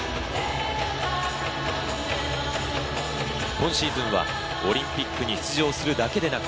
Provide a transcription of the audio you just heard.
今シーズンはオリンピックに出場するだけでなく